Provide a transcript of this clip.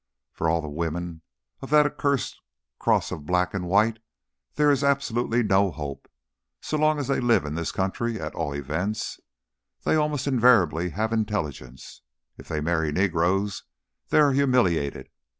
For all the women of that accursed cross of black and white there is absolutely no hope so long as they live in this country, at all events. They almost invariably have intelligence. If they marry negroes, they are humiliated.